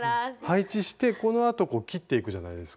配置してこのあと切っていくじゃないですか。